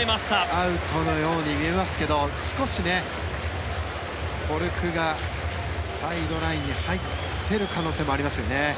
アウトのように見えますが少しコルクがサイドラインに入ってる可能性もありますよね。